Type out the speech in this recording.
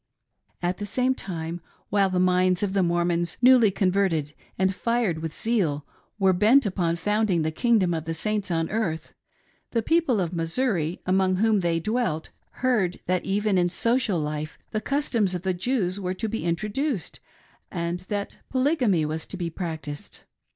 At the same time, while the minds of the Mormons, newly converted and fired with zeal, were bent upon founding the Kingdom of the Saints on earth, the people of Missouri, among whom they dwelt, heard that even in social life the customs of the Jews were to be intro duced, and that Polygamy was to be practiced.